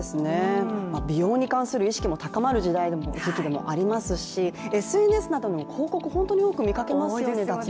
美容に関する意識も高まる時期でもありますし、ＳＮＳなどでも、脱毛に関して広告を本当に多く見かけますよね。